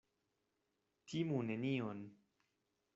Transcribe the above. Timu nenion.